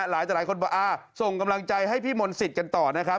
หลายคนบอกส่งกำลังใจให้พี่มนต์สิทธิ์กันต่อนะครับ